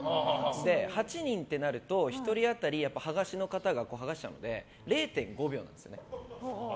８人ってなると１人当たり剥がしの方が剥がしちゃうので０．５秒なんですよ。